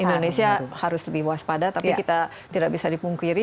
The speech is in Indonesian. indonesia harus lebih waspada tapi kita tidak bisa dipungkiri